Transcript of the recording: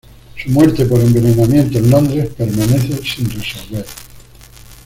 Su muerte por envenenamiento en Londres permanece sin resolver.